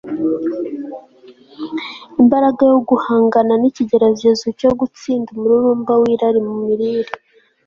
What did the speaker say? imbaraga yo guhangana n'ikigeragezo cyo gutsinda umururumba w'irari mu mirire